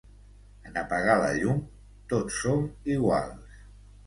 En apagar la llum, tots som iguals.